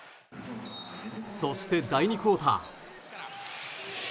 そして、第２クオーター。